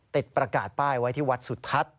ประกาศป้ายไว้ที่วัดสุทัศน์